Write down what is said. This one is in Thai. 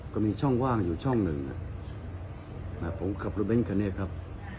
ก็มีช่องว่างอยู่ช่องหนึ่งผมขับรถเบ้นคันนี้ครับ